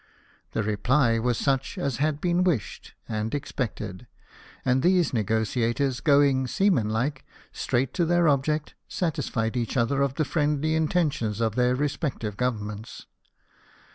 The reply was such as had been wished and expected ; and these negotiators going, seaman like, straight to their object, satisfied each other of the friendly intentions of their respective Governments.